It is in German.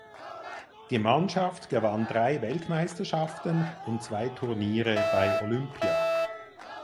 Die Mannschaft gewann drei Weltmeisterschaften und zwei Turniere bei Olympia.